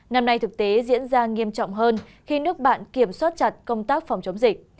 năm nay thực tế diễn ra nghiêm trọng hơn khi nước bạn kiểm soát chặt công tác phòng chống dịch